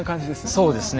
そうですね。